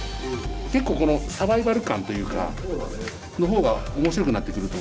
結構このサバイバル感というかの方が面白くなってくると思う。